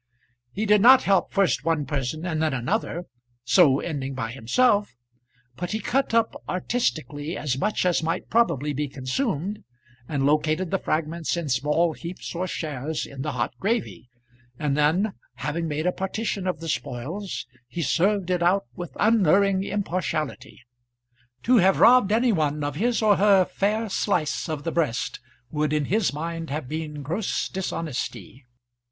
He did not help first one person and then another, so ending by himself; but he cut up artistically as much as might probably be consumed, and located the fragments in small heaps or shares in the hot gravy; and then, having made a partition of the spoils, he served it out with unerring impartiality. To have robbed any one of his or her fair slice of the breast would, in his mind, have been gross dishonesty.